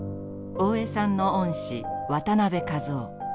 大江さんの恩師渡辺一夫。